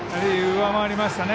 上回りましたね。